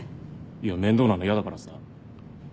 いや面倒なの嫌だからさ。